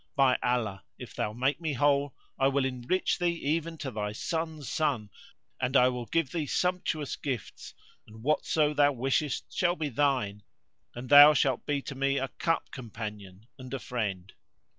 By Allah, if thou make me whole I will enrich thee even to thy son's son and I will give thee sumptuous gifts; and whatso thou wishest shall be thine and thou shalt be to me a cup companion[FN#80] and a friend."